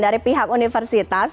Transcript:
dari pihak universitas